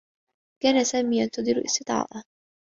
كان سامي ينتظر استدعاءه.